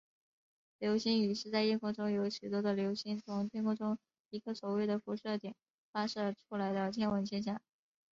流星雨是在夜空中有许多的流星从天空中一个所谓的辐射点发射出来的天文现象。